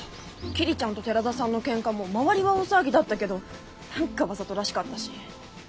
桐ちゃんと寺田さんのケンカも周りは大騒ぎだったけど何かわざとらしかったし。